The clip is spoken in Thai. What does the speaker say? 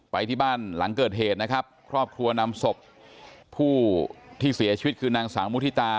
ไปที่บ้านหลังเกิดเหตุนะครับครอบครัวนำศพผู้ที่เสียชีวิตคือนางสาวมุฒิตา